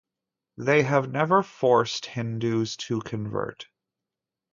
They have never forced Hindus to convert.